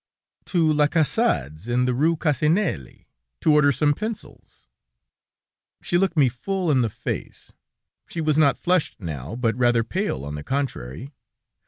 "'To Lacaussade's, in the Rue Cassinelli, to order some pencils,' "She looked me full in the face. She was not flushed now, but rather pale, on the contrary.